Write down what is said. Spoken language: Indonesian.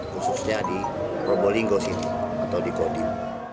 khususnya di probolinggo sini atau di kodim